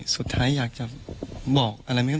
สุดท้ายอยากจะบอกอะไรไหมครับ